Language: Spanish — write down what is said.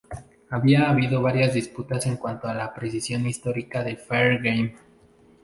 Ha habido varias disputas en cuanto a la precisión histórica de "Fair Game".